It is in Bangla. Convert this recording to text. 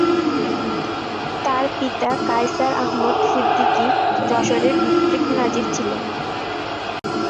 তার পিতা কায়সার আহমদ সিদ্দিকী যশোরের ডিস্ট্রিক্ট নাজির ছিলেন।